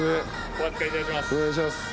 お預かりいたします。